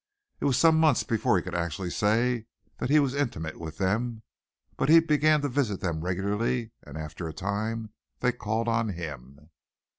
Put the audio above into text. It was some months before he could actually say that he was intimate with them, but he began to visit them regularly and after a time they called on him.